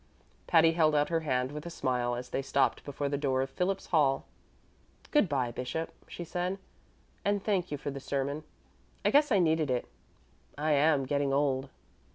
Patty held out her hand with a smile as they stopped before the door of Phillips Hall. "Good by, bishop," she said, "and thank you for the sermon; I guess I needed it I am getting old."